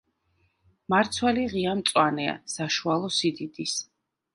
მარცვალი ღია მწვანეა, საშუალო სიდიდის.